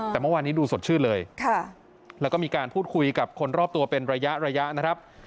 แต่เมื่อวานนี้ดูสดชื่นเลยแล้วก็มีการพูดคุยกับคนรอบตัวเป็นระยะระยะนะครับ